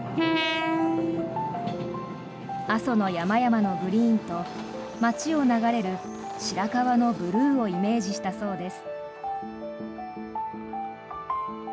阿蘇の山々のグリーンと街を流れる白川のブルーをイメージしたそうです。